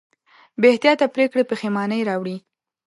بېاحتیاطه پرېکړې پښېمانۍ راوړي.